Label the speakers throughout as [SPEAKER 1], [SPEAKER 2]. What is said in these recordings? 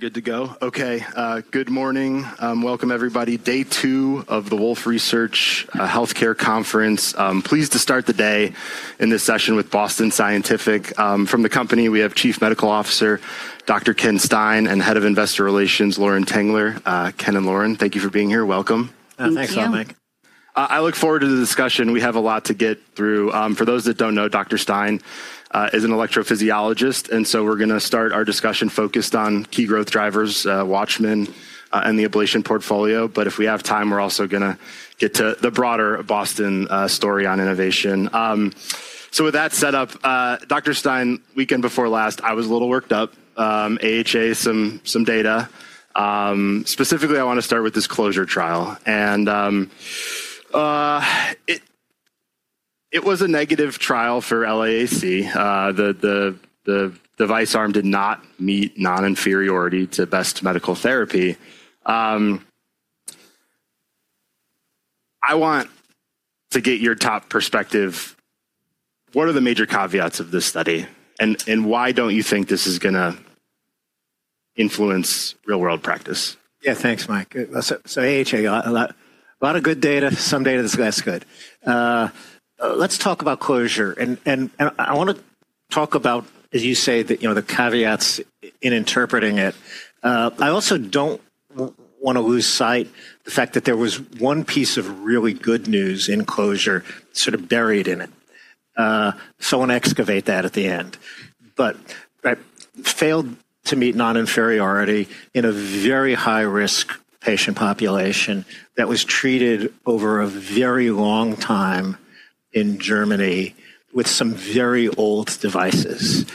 [SPEAKER 1] We're good to go. Okay, good morning. Welcome, everybody. Day two of the Wolf Research Healthcare Conference. Pleased to start the day in this session with Boston Scientific. From the company, we have Chief Medical Officer Dr. Ken Stein and Head of Investor Relations Lauren Tengler. Ken and Lauren, thank you for being here. Welcome.
[SPEAKER 2] Thanks, Mike.
[SPEAKER 1] I look forward to the discussion. We have a lot to get through. For those that don't know, Dr. Stein is an electrophysiologist. We are going to start our discussion focused on key growth drivers, Watchman, and the ablation portfolio. If we have time, we are also going to get to the broader Boston story on innovation. With that set up, Dr. Stein, weekend before last, I was a little worked up. AHA, some data. Specifically, I want to start with this closure trial. It was a negative trial for LAAC. The device arm did not meet non-inferiority to best medical therapy. I want to get your top perspective. What are the major caveats of this study? Why don't you think this is going to influence real-world practice?
[SPEAKER 2] Yeah, thanks, Mike. AHA, a lot of good data, some data that's less good. Let's talk about closure. I want to talk about, as you say, the caveats in interpreting it. I also don't want to lose sight of the fact that there was one piece of really good news in closure sort of buried in it. I want to excavate that at the end. Closure failed to meet non-inferiority in a very high-risk patient population that was treated over a very long time in Germany with some very old devices.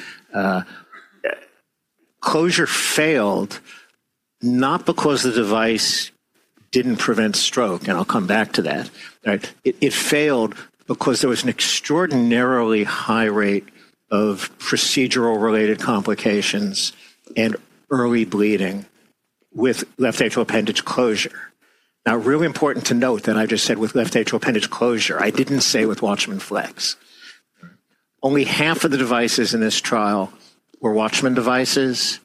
[SPEAKER 2] Closure failed not because the device didn't prevent stroke, and I'll come back to that. It failed because there was an extraordinarily high rate of procedural-related complications and early bleeding with left atrial appendage closure. Now, really important to note that I just said with left atrial appendage closure. I didn't say with Watchman Flex. Only half of the devices in this trial were Watchman devices.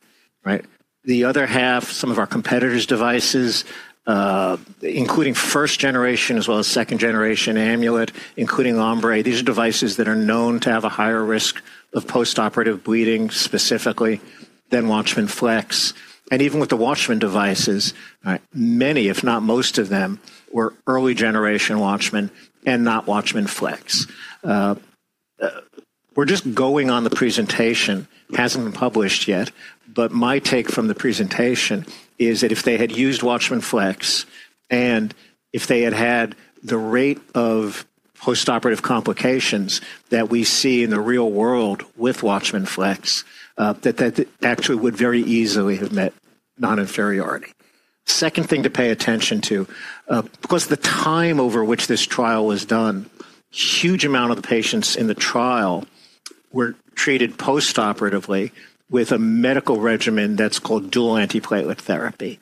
[SPEAKER 2] The other half, some of our competitors' devices, including first-generation as well as second-generation Amulet, including Ombre. These are devices that are known to have a higher risk of postoperative bleeding specifically than Watchman Flex. And even with the Watchman devices, many, if not most of them, were early-generation Watchman and not Watchman Flex. We're just going on the presentation. It hasn't been published yet. But my take from the presentation is that if they had used Watchman Flex and if they had had the rate of postoperative complications that we see in the real world with Watchman Flex, that actually would very easily have met non-inferiority. Second thing to pay attention to, because the time over which this trial was done, a huge amount of the patients in the trial were treated postoperatively with a medical regimen that's called dual antiplatelet therapy.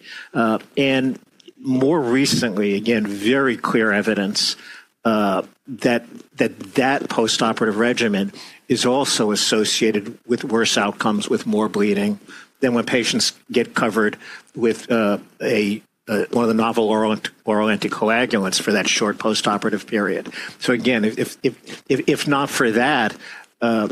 [SPEAKER 2] More recently, again, very clear evidence that that postoperative regimen is also associated with worse outcomes, with more bleeding than when patients get covered with one of the novel Oral anticoagulants for that short postoperative period. Again, if not for that and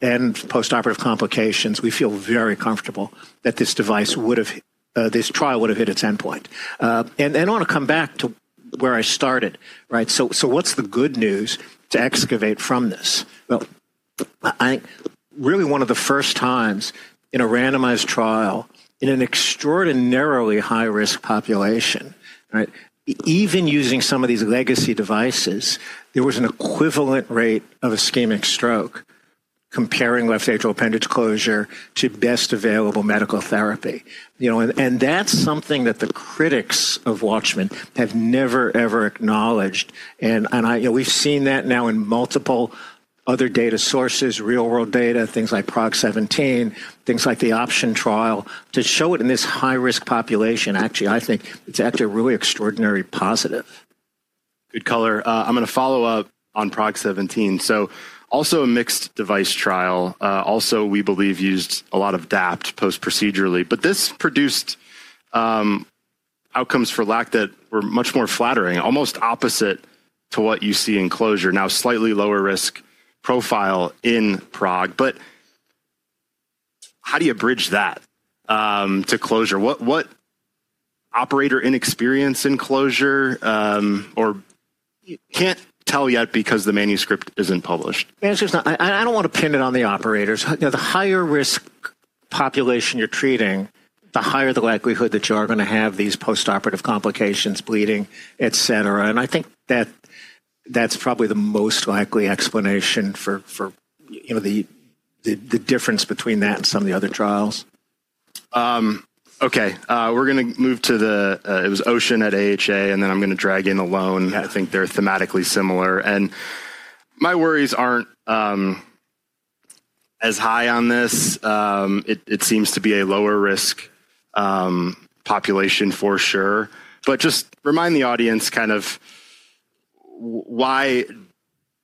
[SPEAKER 2] postoperative complications, we feel very comfortable that this device would have, this trial would have hit its endpoint. I want to come back to where I started. What's the good news to excavate from this? I think really one of the first times in a randomized trial in an extraordinarily high-risk population, even using some of these legacy devices, there was an equivalent rate of ischemic stroke comparing left atrial appendage closure to best available medical therapy. That's something that the critics of Watchman have never, ever acknowledged. We've seen that now in multiple other data sources, real-world data, things like PROG-17, things like the option trial to show it in this high-risk population. Actually, I think it's actually a really extraordinary positive.
[SPEAKER 1] Good color. I'm going to follow up on PROG-17. Also a mixed device trial. Also, we believe used a lot of DAPT post-procedurally. This produced outcomes for LAAC that were much more flattering, almost opposite to what you see in closure, now slightly lower risk profile in PROG. How do you bridge that to closure? What operator inexperience in closure? Or can't tell yet because the manuscript isn't published.
[SPEAKER 2] Manuscript's not. I do not want to pin it on the operators. The higher risk population you are treating, the higher the likelihood that you are going to have these postoperative complications, bleeding, etc. I think that that is probably the most likely explanation for the difference between that and some of the other trials.
[SPEAKER 1] Okay. We're going to move to the, it was OSHN at AHA, and then I'm going to drag in Alone. I think they're thematically similar. My worries aren't as high on this. It seems to be a lower risk population for sure. Just remind the audience kind of why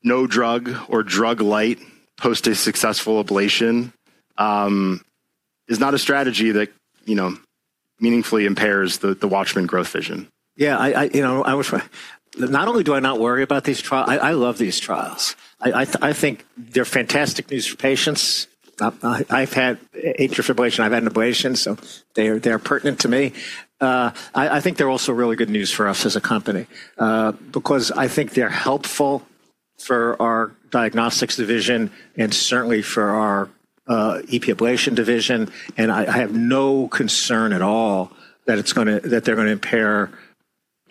[SPEAKER 1] no drug or drug light post a successful ablation is not a strategy that meaningfully impairs the Watchman growth vision.
[SPEAKER 2] Yeah, I was right. Not only do I not worry about these trials, I love these trials. I think they're fantastic news for patients. I've had a trial fibrillation. I've had an ablation, so they are pertinent to me. I think they're also really good news for us as a company because I think they're helpful for our diagnostics division and certainly for our EP ablation division. I have no concern at all that they're going to impair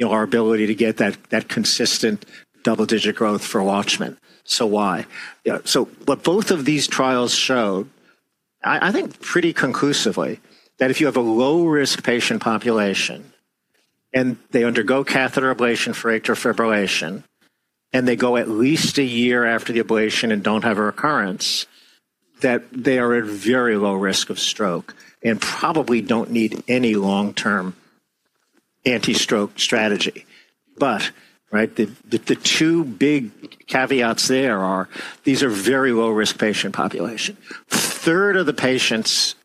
[SPEAKER 2] our ability to get that consistent double-digit growth for Watchman. Why? What both of these trials showed, I think pretty conclusively, is that if you have a low-risk patient population and they undergo Catheter ablation for atrial fibrillation and they go at least a year after the ablation and don't have a recurrence, they are at very low risk of stroke and probably don't need any long-term anti-stroke strategy. The two big caveats there are, these are very low-risk patient population. A third of the patients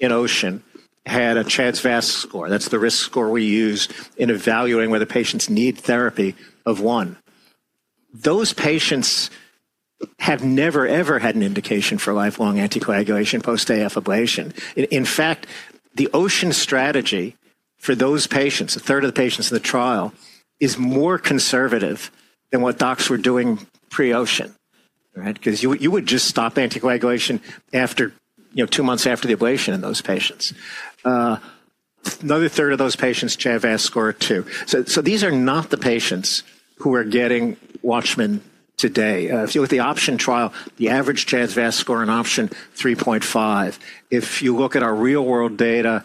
[SPEAKER 2] in OSHN had a CHA2DS2-VASc score. That's the risk score we use in evaluating whether patients need therapy of one. Those patients have never, ever had an indication for lifelong anticoagulation post AFA ablation. In fact, the OSHN strategy for those patients, a third of the patients in the trial, is more conservative than what docs were doing pre-OSHN because you would just stop anticoagulation two months after the ablation in those patients. Another third of those patients, CHA2DS2-VASc score of two. These are not the patients who are getting Watchman today. If you look at the option trial, the average CHA2DS2-VASc score in option is 3.5. If you look at our real-world data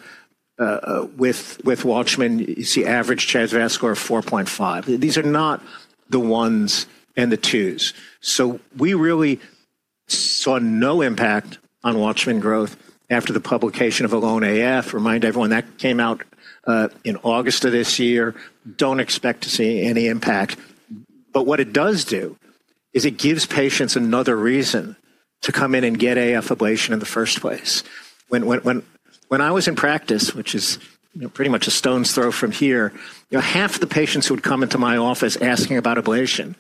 [SPEAKER 2] with Watchman, you see average CHA2DS2-VASc score of 4.5. These are not the ones and the twos. We really saw no impact on Watchman growth after the publication of Alone AF. Remind everyone, that came out in August of this year. Do not expect to see any impact. What it does do is it gives patients another reason to come in and get AF ablation in the first place. When I was in practice, which is pretty much a stone's throw from here, half of the patients who would come into my office asking about ablation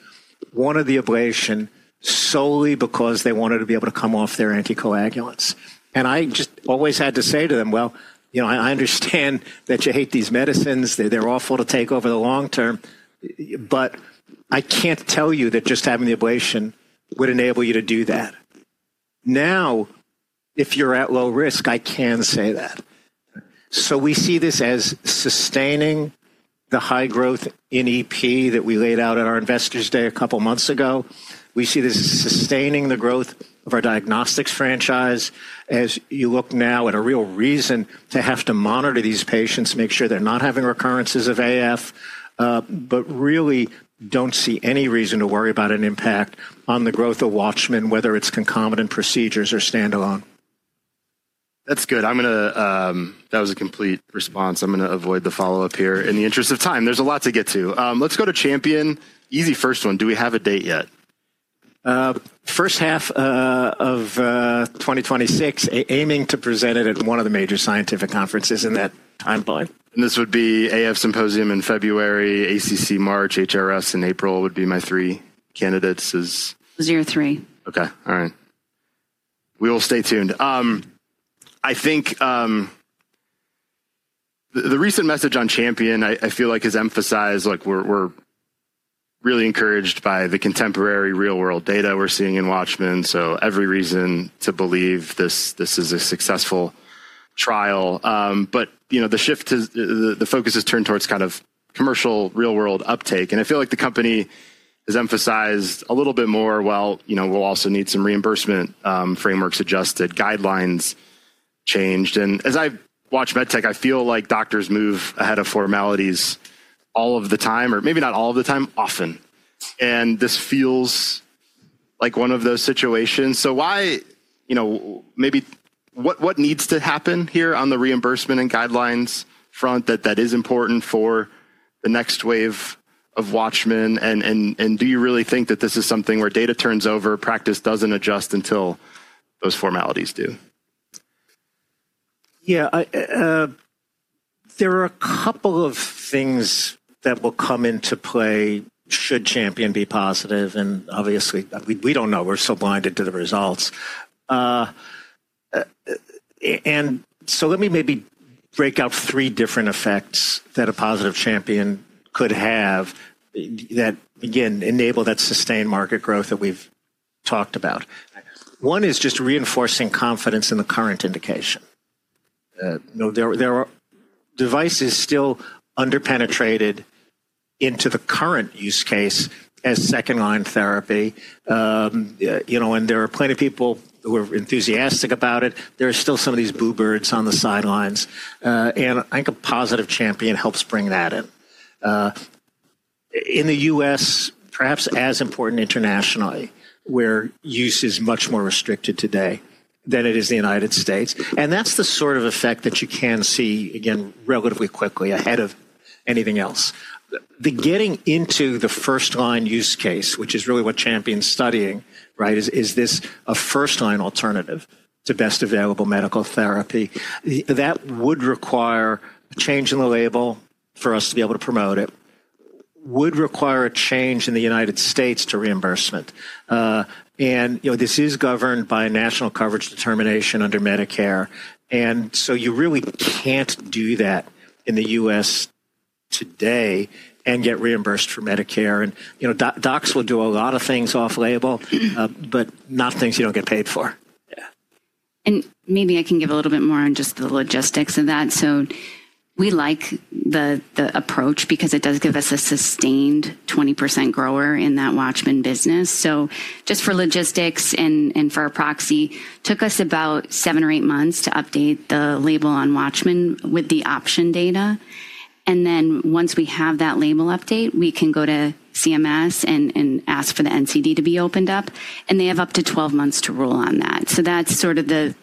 [SPEAKER 2] wanted the ablation solely because they wanted to be able to come off their anticoagulants. I just always had to say to them, well, I understand that you hate these medicines. They are awful to take over the long term. I cannot tell you that just having the ablation would enable you to do that. Now, if you are at low risk, I can say that. We see this as sustaining the high growth in EP that we laid out at our investors' day a couple of months ago. We see this as sustaining the growth of our diagnostics franchise as you look now at a real reason to have to monitor these patients, make sure they're not having recurrences of AF, but really do not see any reason to worry about an impact on the growth of Watchman, whether it's concomitant procedures or standalone.
[SPEAKER 1] That's good. That was a complete response. I'm going to avoid the follow-up here. In the interest of time, there's a lot to get to. Let's go to Champion. Easy first one. Do we have a date yet?
[SPEAKER 2] First half of 2026, aiming to present it at one of the major scientific conferences in that timeline.
[SPEAKER 1] This would be AF Symposium in February, ACC March, HRS in April would be my three candidates as.
[SPEAKER 3] Zero three.
[SPEAKER 1] Okay. All right. We will stay tuned. I think the recent message on Champion, I feel like, has emphasized we're really encouraged by the contemporary real-world data we're seeing in Watchman. Every reason to believe this is a successful trial. The shift to the focus has turned towards kind of commercial real-world uptake. I feel like the company has emphasized a little bit more, well, we'll also need some reimbursement frameworks adjusted, guidelines changed. As I watch med tech, I feel like doctors move ahead of formalities all of the time, or maybe not all of the time, often. This feels like one of those situations. Maybe what needs to happen here on the reimbursement and guidelines front that is important for the next wave of Watchman? Do you really think that this is something where data turns over, practice doesn't adjust until those formalities do?
[SPEAKER 2] Yeah. There are a couple of things that will come into play should Champion be positive. Obviously, we do not know. We are so blinded to the results. Let me maybe break out three different effects that a positive Champion could have that, again, enable that sustained market growth that we have talked about. One is just reinforcing confidence in the current indication. There are devices still underpenetrated into the current use case as second-line therapy. There are plenty of people who are enthusiastic about it. There are still some of these boo birds on the sidelines. I think a positive Champion helps bring that in. In the U.S., perhaps as important internationally, where use is much more restricted today than it is in the United States. That is the sort of effect that you can see, again, relatively quickly ahead of anything else. The getting into the first-line use case, which is really what Champion's studying, is this a first-line alternative to best available medical therapy? That would require a change in the label for us to be able to promote it, would require a change in the U.S. to reimbursement. This is governed by a national coverage determination under Medicare. You really can't do that in the U.S. today and get reimbursed for Medicare. Docs will do a lot of things off-label, but not things you don't get paid for.
[SPEAKER 3] Yeah. Maybe I can give a little bit more on just the logistics of that. We like the approach because it does give us a sustained 20% Grower in that Watchman business. Just for logistics and for our proxy, it took us about seven or eight months to update the label on Watchman with the option data. Once we have that label update, we can go to CMS and ask for the NCD to be opened up. They have up to 12 months to rule on that. That is sort of the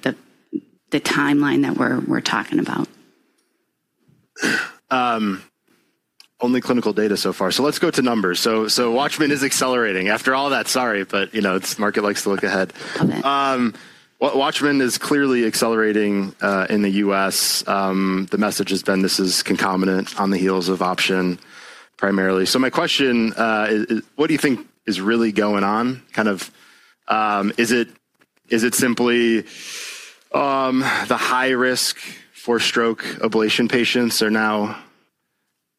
[SPEAKER 3] timeline that we are talking about.
[SPEAKER 1] Only clinical data so far. Let's go to numbers. Watchman is accelerating. After all that, sorry, but the market likes to look ahead.
[SPEAKER 3] Love it.
[SPEAKER 1] Watchman is clearly accelerating in the U.S. The message has been this is concomitant on the heels of option primarily. My question is, what do you think is really going on? Kind of is it simply the high risk for stroke ablation patients are now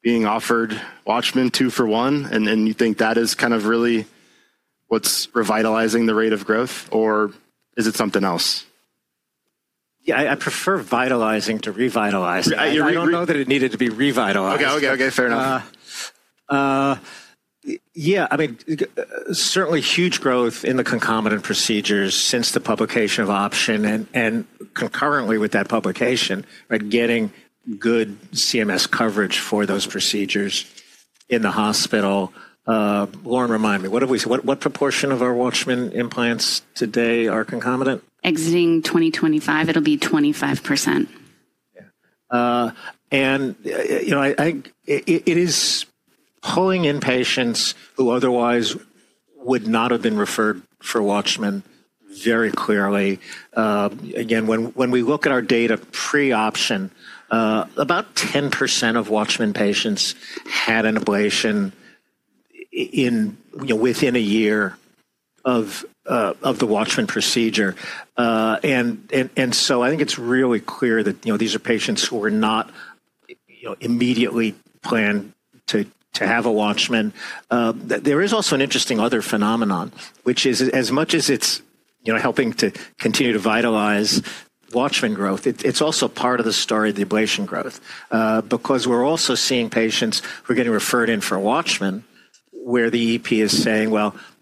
[SPEAKER 1] being offered Watchman two for one? You think that is kind of really what's revitalizing the rate of growth, or is it something else?
[SPEAKER 2] Yeah, I prefer vitalizing to revitalizing.
[SPEAKER 1] I don't know that it needed to be revitalized. Okay. Okay. Okay. Fair enough.
[SPEAKER 2] Yeah. I mean, certainly huge growth in the concomitant procedures since the publication of option and concurrently with that publication, getting good CMS coverage for those procedures in the hospital. Lauren, remind me, what proportion of our Watchman implants today are concomitant?
[SPEAKER 3] Exiting 2025, it'll be 25%.
[SPEAKER 2] Yeah. I think it is pulling in patients who otherwise would not have been referred for Watchman very clearly. Again, when we look at our data pre-option, about 10% of Watchman patients had an ablation within a year of the Watchman procedure. I think it's really clear that these are patients who are not immediately planned to have a Watchman. There is also an interesting other phenomenon, which is as much as it's helping to continue to vitalize Watchman growth, it's also part of the story of the ablation growth because we're also seeing patients who are getting referred in for Watchman where the EP is saying,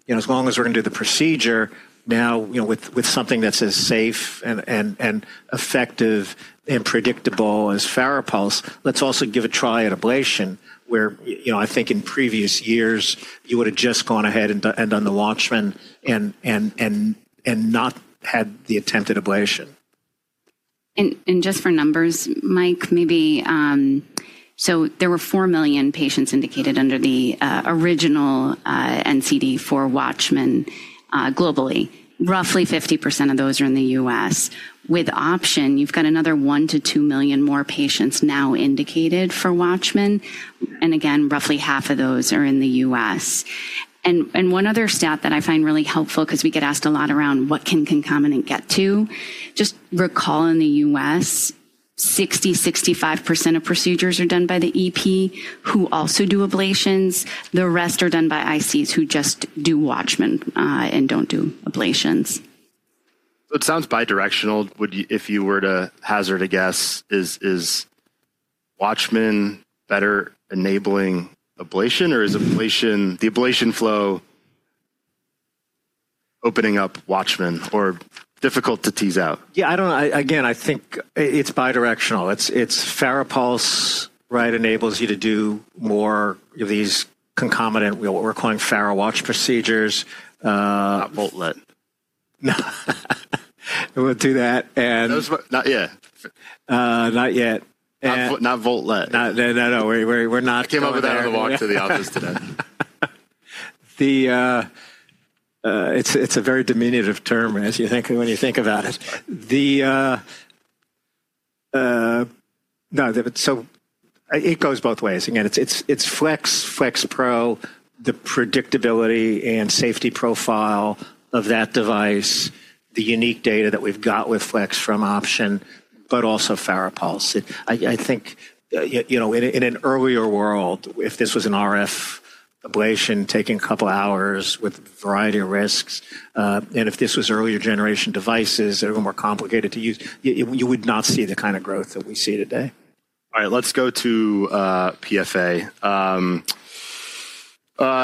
[SPEAKER 2] as long as we're going to do the procedure now with something that's as safe and effective and predictable as FARAPulse, let's also give a try at ablation where I think in previous years, you would have just gone ahead and done the Watchman and not had the attempted ablation.
[SPEAKER 3] Just for numbers, Mike, maybe so there were 4 million patients indicated under the original NCD for Watchman globally. Roughly 50% of those are in the U.S. With Option, you have got another 1-2 million more patients now indicated for Watchman. Again, roughly half of those are in the U.S. One other stat that I find really helpful because we get asked a lot around what can concomitant get to. Just recall in the U.S., 60%-65% of procedures are done by the EP who also do ablations. The rest are done by ICs who just do Watchman and do not do ablations.
[SPEAKER 1] It sounds bidirectional. If you were to hazard a guess, is Watchman better enabling ablation, or is the ablation flow opening up Watchman, or difficult to tease out?
[SPEAKER 2] Yeah, I don't know. Again, I think it's bidirectional. It's FARAPulse enables you to do more of these concomitant, we're calling FARAWatch procedures.
[SPEAKER 1] Not Voltlet.
[SPEAKER 2] No. We'll do that.
[SPEAKER 1] Not yet.
[SPEAKER 2] Not yet.
[SPEAKER 1] Not Voltlet.
[SPEAKER 2] No, no, no. We're not.
[SPEAKER 1] I came up with that on the walk to the office today.
[SPEAKER 2] It's a very diminutive term when you think about it. No, so it goes both ways. Again, it's Flex, FlexPro, the predictability and safety profile of that device, the unique data that we've got with Flex from option, but also FARAPulse. I think in an earlier world, if this was an RF ablation taking a couple of hours with a variety of risks, and if this was earlier generation devices, a little more complicated to use, you would not see the kind of growth that we see today.
[SPEAKER 1] All right. Let's go to PFA.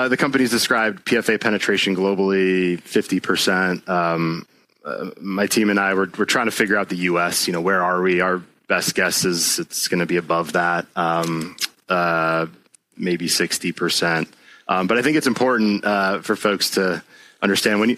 [SPEAKER 1] The company's described PFA penetration globally, 50%. My team and I, we're trying to figure out the U.S. Where are we? Our best guess is it's going to be above that, maybe 60%. I think it's important for folks to understand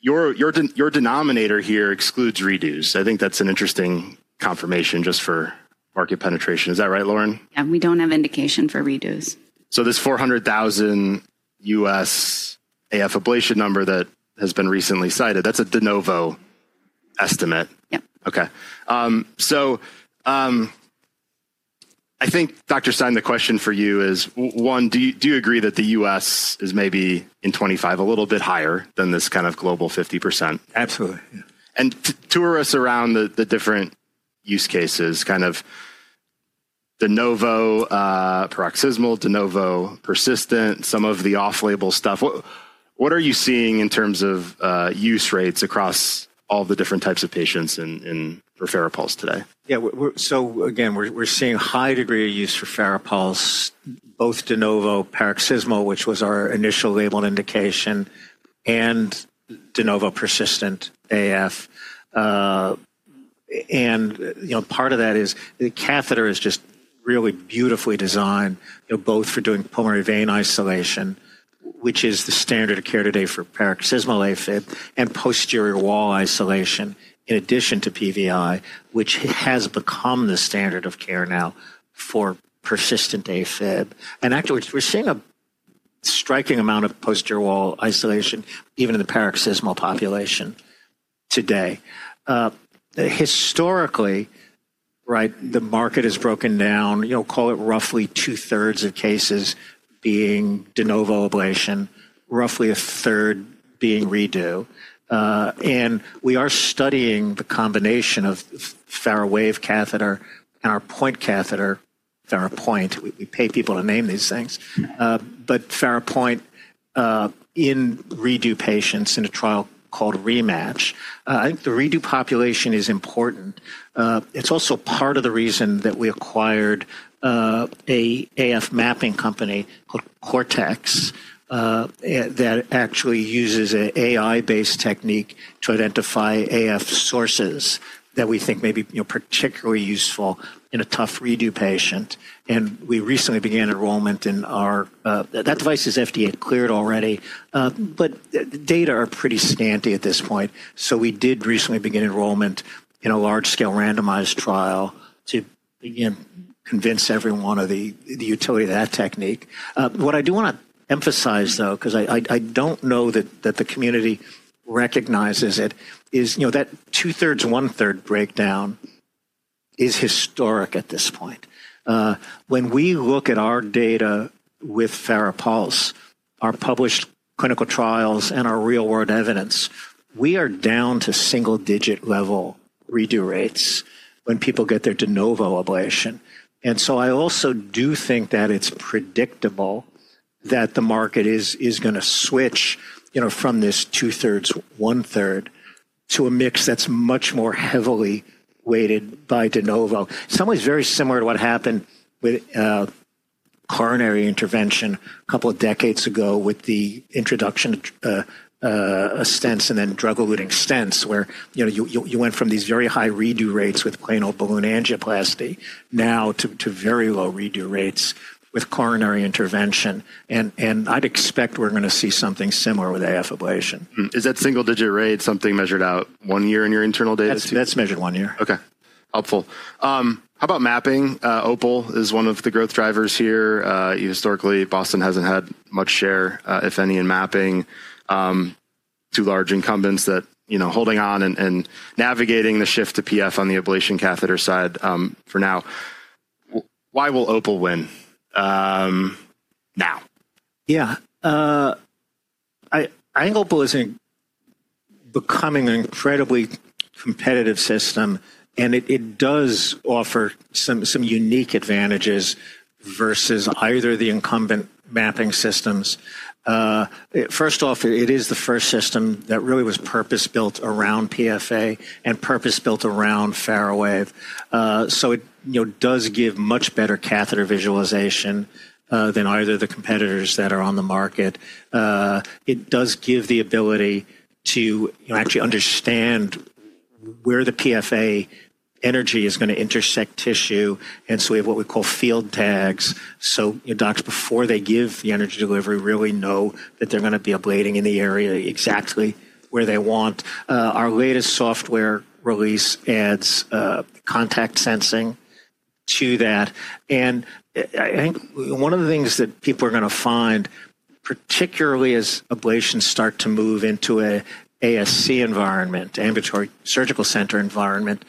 [SPEAKER 1] your denominator here excludes redos. I think that's an interesting confirmation just for market penetration. Is that right, Lauren?
[SPEAKER 3] Yeah. We don't have indication for redos.
[SPEAKER 1] This 400,000 US AF ablation number that has been recently cited, that's a de novo estimate.
[SPEAKER 3] Yep.
[SPEAKER 1] Okay. I think, Dr. Stein, the question for you is, one, do you agree that the U.S. is maybe in 2025 a little bit higher than this kind of global 50%?
[SPEAKER 2] Absolutely.
[SPEAKER 1] Tour us around the different use cases, kind of de novo paroxysmal, de novo persistent, some of the off-label stuff. What are you seeing in terms of use rates across all the different types of patients for FARAPulse today?
[SPEAKER 2] Yeah. Again, we're seeing a high degree of use for FARAPulse, both de novo paroxysmal, which was our initial labeled indication, and de novo persistent AF. Part of that is the Catheter is just really beautifully designed, both for doing pulmonary vein isolation, which is the standard of care today for paroxysmal AFib, and posterior wall isolation in addition to PVI, which has become the standard of care now for persistent AFib. Actually, we're seeing a striking amount of posterior wall isolation even in the paroxysmal population today. Historically, the market has broken down, call it roughly two-thirds of cases being de novo ablation, roughly a third being redo. We are studying the combination of FARAWave Catheter and our point Catheter, FARAPoint. We pay people to name these things. FARAPoint in redo patients in a trial called REMATCH, I think the redo population is important. It's also part of the reason that we acquired an AF mapping company called Cortex that actually uses an AI-based technique to identify AF sources that we think may be particularly useful in a tough redo patient. We recently began enrollment in our, that device is FDA cleared already. The data are pretty scanty at this point. We did recently begin enrollment in a large-scale randomized trial to again convince everyone of the utility of that technique. What I do want to emphasize, though, because I do not know that the community recognizes it, is that two-thirds, one-third breakdown is historic at this point. When we look at our data with FARAPulse, our published clinical trials, and our real-world evidence, we are down to single-digit level redo rates when people get their de novo ablation. I also do think that it's predictable that the market is going to switch from this two-thirds, one-third to a mix that's much more heavily weighted by de novo. In some ways, very similar to what happened with coronary intervention a couple of decades ago with the introduction of stents and then drug-eluting stents where you went from these very high redo rates with plain old balloon Angioplasty now to very low redo rates with coronary intervention. I'd expect we're going to see something similar with AF ablation.
[SPEAKER 1] Is that single-digit rate something measured out one year in your internal data?
[SPEAKER 2] That's measured one year.
[SPEAKER 1] Okay. Helpful. How about mapping? Opal is one of the growth drivers here. Historically, Boston Scientific hasn't had much share, if any, in mapping. Two large incumbents that are holding on and navigating the shift to PF on the ablation Catheter side for now. Why will Opal win now?
[SPEAKER 2] Yeah. I think Opal is becoming an incredibly competitive system. It does offer some unique advantages versus either the incumbent mapping systems. First off, it is the first system that really was purpose-built around PFA and purpose-built around FARAWave. It does give much better Catheter visualization than either the competitors that are on the market. It does give the ability to actually understand where the PFA energy is going to intersect tissue. We have what we call field tags. Docs, before they give the energy delivery, really know that they're going to be ablating in the area exactly where they want. Our latest software release adds contact sensing to that. I think one of the things that people are going to find, particularly as ablations start to move into an ASC environment, ambulatory surgical center environment,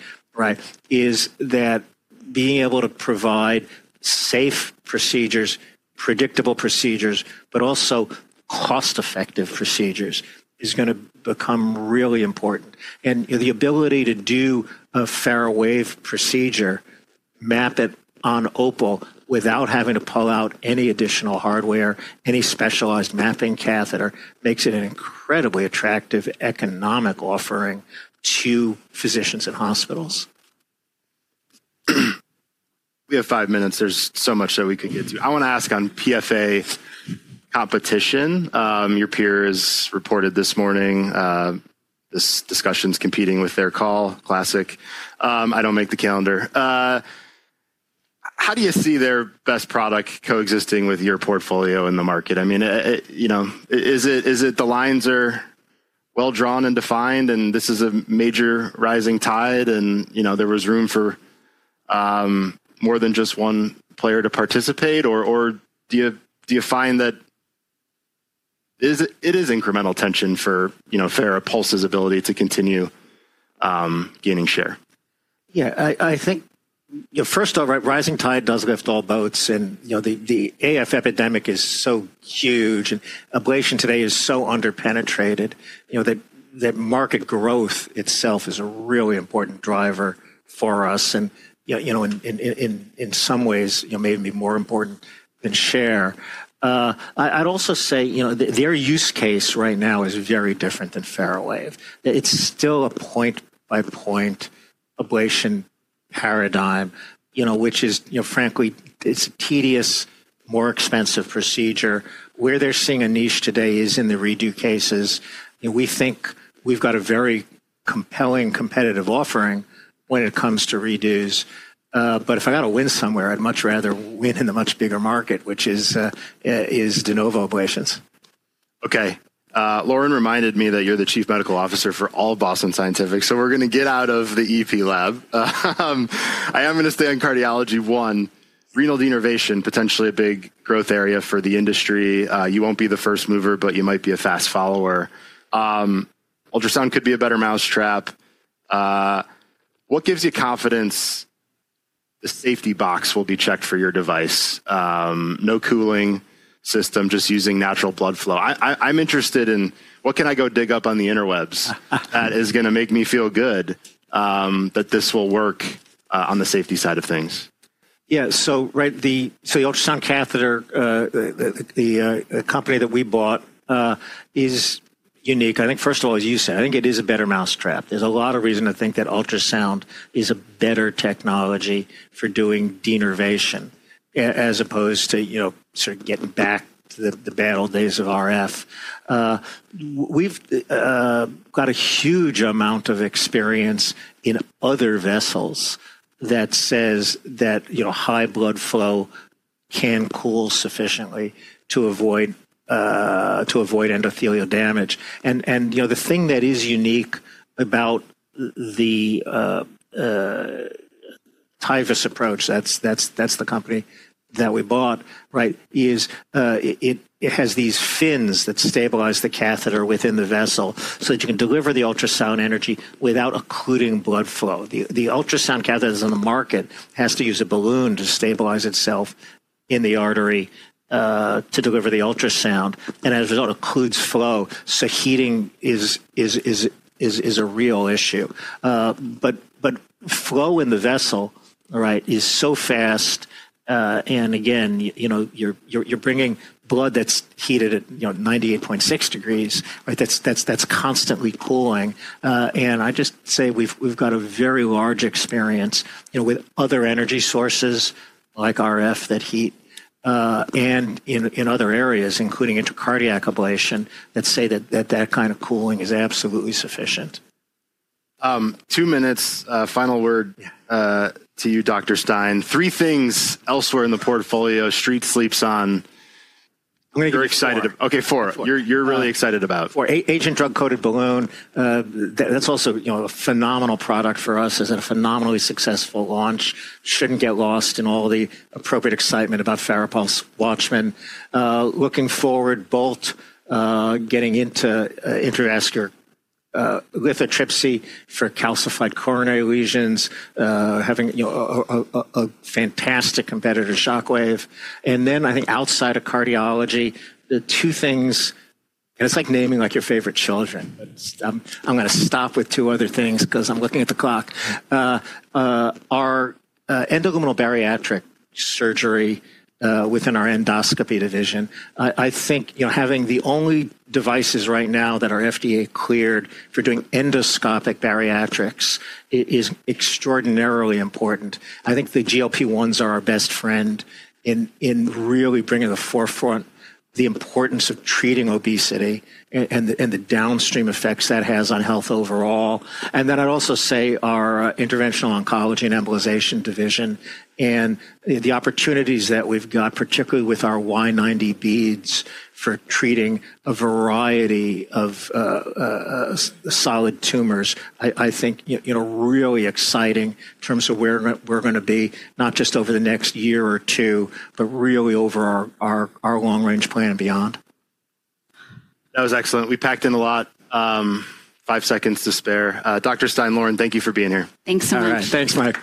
[SPEAKER 2] is that being able to provide safe procedures, predictable procedures, but also cost-effective procedures is going to become really important. The ability to do a FARAWave procedure, map it on Opal without having to pull out any additional hardware, any specialized mapping Catheter, makes it an incredibly attractive economic offering to physicians and hospitals.
[SPEAKER 1] We have five minutes. There's so much that we could get to. I want to ask on PFA competition. Your peers reported this morning, this discussion's competing with their call, classic. I don't make the calendar. How do you see their best product coexisting with your portfolio in the market? I mean, is it the lines are well drawn and defined, and this is a major rising tide, and there is room for more than just one player to participate, or do you find that it is incremental tension for FARAPulse's ability to continue gaining share?
[SPEAKER 2] Yeah. I think, first off, rising tide does lift all boats. The AF epidemic is so huge, and ablation today is so underpenetrated that market growth itself is a really important driver for us and in some ways maybe more important than share. I'd also say their use case right now is very different than FARAWave. It's still a point-by-point ablation paradigm, which is, frankly, it's a tedious, more expensive procedure. Where they're seeing a niche today is in the redo cases. We think we've got a very compelling competitive offering when it comes to redos. If I got to win somewhere, I'd much rather win in the much bigger market, which is de novo ablations.
[SPEAKER 1] Okay. Lauren reminded me that you're the Chief Medical Officer for all Boston Scientific. So we're going to get out of the EP lab. I am going to stay on cardiology one. Renal denervation, potentially a big growth area for the industry. You won't be the first mover, but you might be a fast follower. Ultrasound could be a better mousetrap. What gives you confidence the safety box will be checked for your device? No cooling system, just using natural blood flow. I'm interested in what can I go dig up on the interwebs that is going to make me feel good that this will work on the safety side of things?
[SPEAKER 2] Yeah. The ultrasound Catheter, the company that we bought, is unique. I think, first of all, as you said, I think it is a better mousetrap. There's a lot of reason to think that ultrasound is a better technology for doing denervation as opposed to sort of getting back to the bad old days of RF. We've got a huge amount of experience in other vessels that says that high blood flow can cool sufficiently to avoid endothelial damage. The thing that is unique about the TIVUS approach, that's the company that we bought, is it has these fins that stabilize the Catheter within the vessel so that you can deliver the ultrasound energy without occluding blood flow. The ultrasound Catheters on the market have to use a balloon to stabilize itself in the artery to deliver the ultrasound. As a result, it occludes flow. Heating is a real issue. Flow in the vessel is so fast. Again, you're bringing blood that's heated at 98.6 degrees. That's constantly cooling. I just say we've got a very large experience with other energy sources like RF that heat and in other areas, including intracardiac ablation, that say that that kind of cooling is absolutely sufficient.
[SPEAKER 1] Two minutes. Final word to you, Dr. Stein. Three things elsewhere in the portfolio. Street sleeps on.
[SPEAKER 2] I'm going to get.
[SPEAKER 1] You're excited. Okay. Four. You're really excited about.
[SPEAKER 2] Four. Agent drug-coated balloon. That's also a phenomenal product for us. It's a phenomenally successful launch. Shouldn't get lost in all the appropriate excitement about FARAPulse Watchman. Looking forward, Bolt getting into intravascular lithotripsy for calcified coronary lesions, having a fantastic competitor, Shockwave. I think outside of cardiology, the two things, and it's like naming your favorite children. I'm going to stop with two other things because I'm looking at the clock. Our endoluminal bariatric surgery within our endoscopy division, I think having the only devices right now that are FDA cleared for doing endoscopic bariatrics is extraordinarily important. I think the GLP-1s are our best friend in really bringing to the forefront the importance of treating Obesity and the downstream effects that has on health overall. I'd also say our interventional oncology and embolization division and the opportunities that we've got, particularly with our Y90 beads for treating a variety of solid tumors, I think really exciting in terms of where we're going to be, not just over the next year or two, but really over our long-range plan and beyond.
[SPEAKER 1] That was excellent. We packed in a lot. Five seconds to spare. Dr. Stein, Lauren, thank you for being here.
[SPEAKER 3] Thanks so much.
[SPEAKER 2] Thanks.